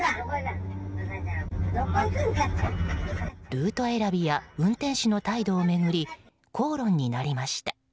ルート選びや運転手の態度を巡り口論になりました。